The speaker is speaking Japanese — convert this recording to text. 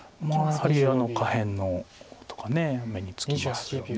やはり下辺の目につきますよね。